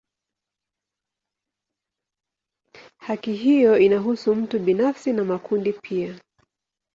Haki hiyo inahusu mtu binafsi na makundi pia.